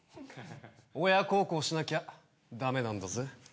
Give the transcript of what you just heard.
親孝行しなきゃダメなんだぜ。